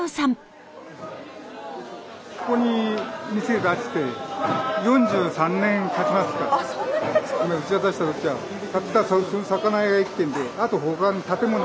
ここに店出して４３年たちますか。